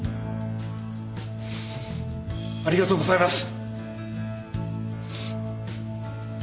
ありがとうございます。